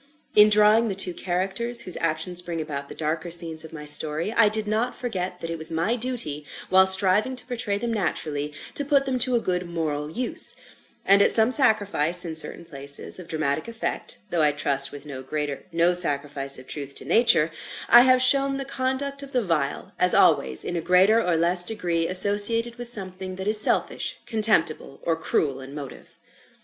In drawing the two characters, whose actions bring about the darker scenes of my story, I did not forget that it was my duty, while striving to portray them naturally, to put them to a good moral use; and at some sacrifice, in certain places, of dramatic effect (though I trust with no sacrifice of truth to Nature), I have shown the conduct of the vile, as always, in a greater or less degree, associated with something that is selfish, contemptible, or cruel in motive.